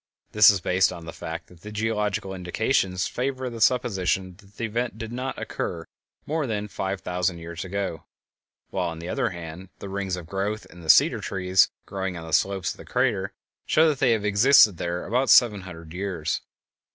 This is based upon the fact that the geological indications favor the supposition that the event did not occur more than five thousand years ago, while on the other hand the rings of growth in the cedar trees growing on the slopes of the crater show that they have existed there about seven hundred years.